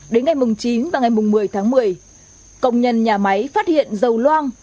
đến ngày chín và ngày một mươi tháng một mươi công nhân nhà máy phát hiện dầu loang